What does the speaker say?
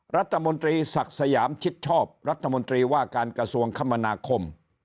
รัฐมนตรีศักดิ์สยามชิดชอบรัฐมนตรีว่าการกระทรวงคมนาคม